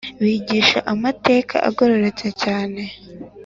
bigishaga amateka agoretse cyane